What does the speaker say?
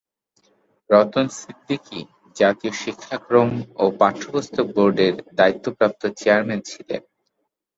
রতন সিদ্দিকী জাতীয় শিক্ষাক্রম ও পাঠ্যপুস্তক বোর্ডের দায়িত্বপ্রাপ্ত চেয়ারম্যান ছিলেন।